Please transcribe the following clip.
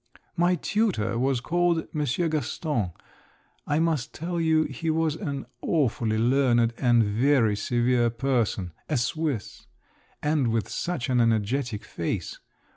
"My tutor was called—Monsieur Gaston! I must tell you he was an awfully learned and very severe person, a Swiss,—and with such an energetic face!